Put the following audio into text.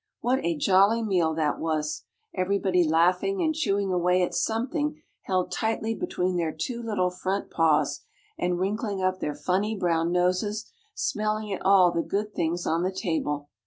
What a jolly meal that was! Everybody laughing and chewing away at something held tightly between their two little front paws, and wrinkling up their funny brown noses, smelling at all the good things on the table.